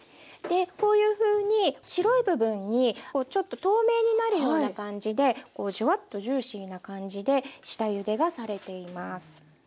こういうふうに白い部分にちょっと透明になるような感じでジュワッとジューシーな感じで下ゆでがされています。